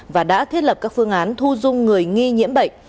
và đã thiết lập các phương án thu dung người nghi nhiễm bệnh